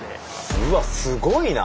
うわすごいな！